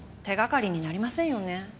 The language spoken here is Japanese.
手がかりになりませんよね？